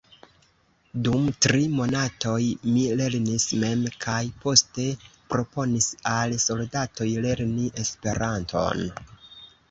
Dum tri monatoj mi lernis mem kaj poste proponis al soldatoj lerni Esperanton.